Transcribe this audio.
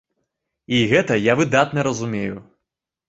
І гэта я выдатна разумею.